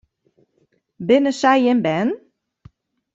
Binne sy jim bern?